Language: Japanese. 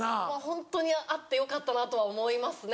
ホントにあってよかったなとは思いますね